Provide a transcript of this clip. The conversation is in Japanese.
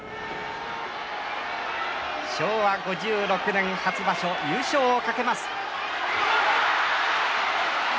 昭和５６年初場所優勝を懸けます。